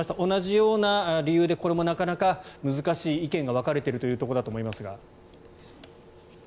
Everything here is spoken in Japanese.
同じような理由でこれもなかなか難しい意見が分かれているということだと思いますが。